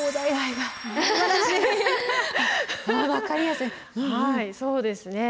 はいそうですね。